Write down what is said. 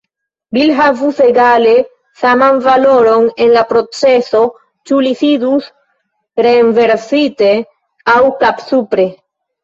"Bil" havus egale saman valoron en la proceso, ĉu li sidus renversite aŭ kapsupre.